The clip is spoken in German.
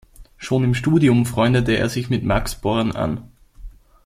Schon im Studium freundete er sich mit Max Born an.